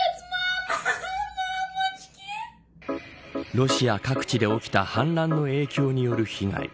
ロシア各地で起きた反乱の影響による被害